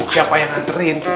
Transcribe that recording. siapa yang nganterin